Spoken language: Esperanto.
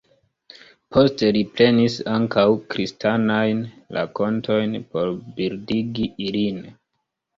Poste li prenis ankaŭ kristanajn rakontojn por bildigi ilin.